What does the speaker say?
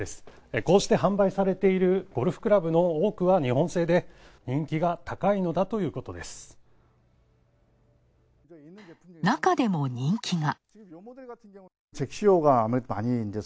こうして販売されているゴルフクラブの多くは日本製で、人気が高いのだということです。